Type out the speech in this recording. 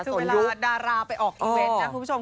คือเวลาดาราไปออกอีเวนต์นะคุณผู้ชม